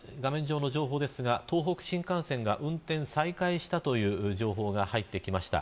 画面上の情報では東北新幹線が運転を再開したという情報が入ってきました。